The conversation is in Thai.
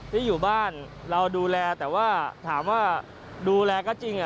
ที่อยู่บ้านเราดูแลแต่ว่าถามว่าดูแลก็จริง